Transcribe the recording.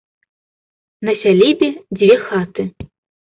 На сялібе дзве хаты.